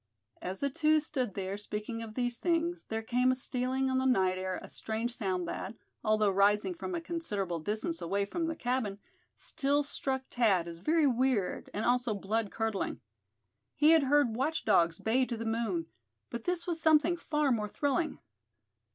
As the two stood there, speaking of these things, there came stealing on the night air a strange sound that, although rising from a considerable distance away from the cabin, still struck Thad as very weird, and also blood curdling. He had heard watch dogs bay to the moon; but this was something far more thrilling.